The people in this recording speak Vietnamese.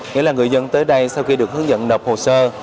nghĩa là người dân tới đây sau khi được hướng dẫn nộp hồ sơ